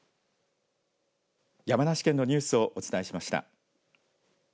山梨県のニュースをお伝えしました。